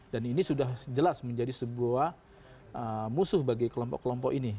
dan ini sudah jelas menjadi sebuah musuh bagi kelompok kelompok ini